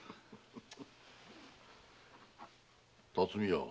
辰巳屋。